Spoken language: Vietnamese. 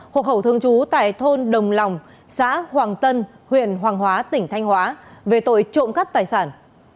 hộ khẩu thường trú tại thôn đồng lòng xã hoàng tân huyện hoàng hóa tỉnh thanh hóa về tội trộm cắt tài sản